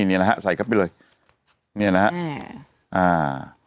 นี่นะฮะใส่ครับไปเลยนี่นะฮะอ่า